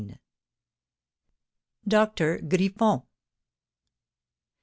DOCTOR GRIFFON.